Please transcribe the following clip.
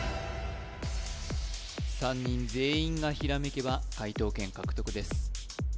３人全員がひらめけば解答権獲得です